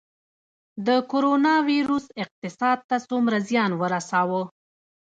د کرونا ویروس اقتصاد ته څومره زیان ورساوه؟